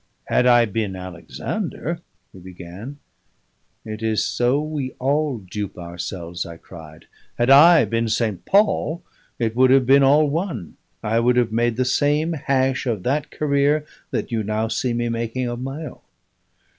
"Had I been Alexander " he began. "It is so we all dupe ourselves," I cried. "Had I been St. Paul, it would have been all one; I would have made the same hash of that career that you now see me making of my own."